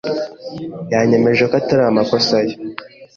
Yanyemeje ko atari amakosa ye rwose.